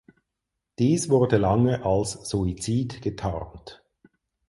Dies wurde lange als Suizid getarnt.